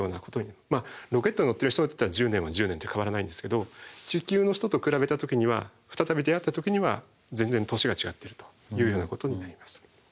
ロケットに乗ってる人だったら１０年は１０年で変わらないんですけど地球の人と比べた時には再び出会った時には全然年が違ってるというようなことになります。